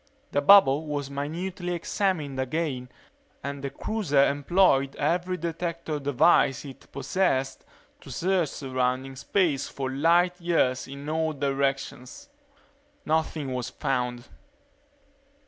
The bubble was minutely examined again and the cruiser employed every detector device it possessed to search surrounding space for light years in all directions. Nothing was found.